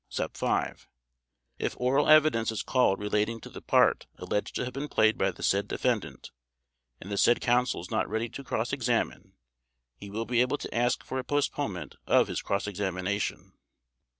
5) If oral evidence is called relating to the part alleged to have been played by the said defendant and the said Counsel is not ready to cross examine, he will be able to ask for a postponement of his cross examination.